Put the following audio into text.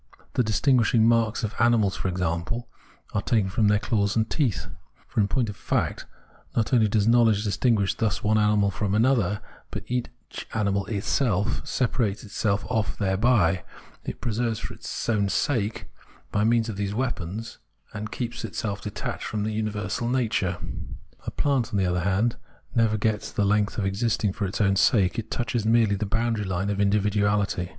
The distinguishing marks of animals, for example, are taken from their claws and teeth ; for, in point of fact, not only does knowledge distinguish thus one animal from another ; but each animal itself separates itself off thereby, it preserves itself for its own sake by means of these weapons, and keeps itself detached from the universal nature. A plant, on the other hand, never gets the length of existing for its own sake ; it touches merely the boundary line of individuality.